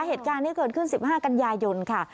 เหตุการณ์ที่เกิดขึ้น๑๕กันยายนค่ะ